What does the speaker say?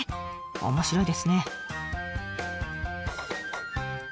面白いですね。